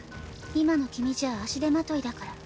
今の君じゃ足手まといだから。